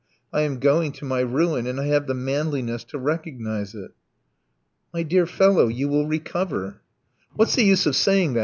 I am going to my ruin, and I have the manliness to recognize it." "My dear fellow, you will recover." "What's the use of saying that?"